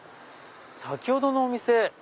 先ほどのお店